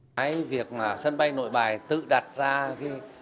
phải việc mà sân bay nội bài tự đặt ra cái niên hạn đời xe chạy taxi đời xe chạy taxi